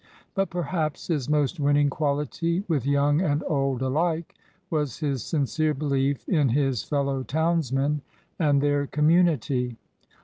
But perhaps his most winning quality with young and old alike was his sincere belief in his fellow townsmen and their community.